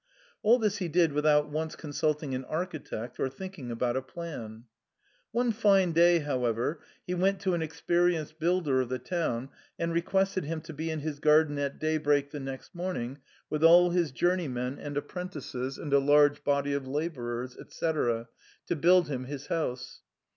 All this he did without once consulting an ar chitect or thinking about a plan. One fine day, how ever, he went to an experienced builder of the town and requested him to be in his garden at daybreak the next morning, with all his journeymen and apprentices, and a large body of labourers, &c., to build him his house.